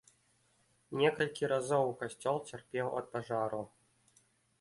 Некалькі разоў касцёл цярпеў ад пажару.